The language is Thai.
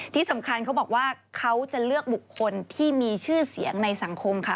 ที่สำคัญเขาบอกว่าเขาจะเลือกบุคคลที่มีชื่อเสียงในสังคมค่ะ